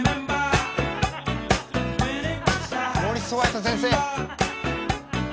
モーリス・ホワイト先生。